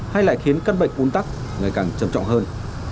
hay lại khiến cắt bệnh uống tắc ngày càng trầm trọng hơn